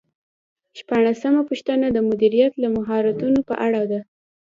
شپاړسمه پوښتنه د مدیریت د مهارتونو په اړه ده.